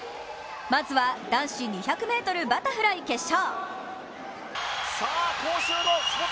まずは、男子２００ｍバタフライ決勝。